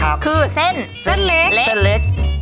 ลวกเลยนะอันไหนฮะอันเล็ก